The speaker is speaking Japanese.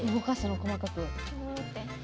細かく。